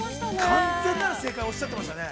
◆完全なる正解をおっしゃってましたね。